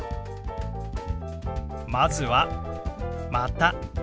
まずは「また」。